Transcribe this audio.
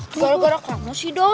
gara gara kamu sih doh